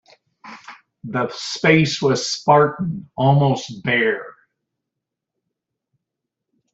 The space was spartan, almost bare.